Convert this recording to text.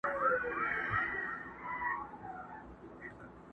o هغه آش، هغه کاسه!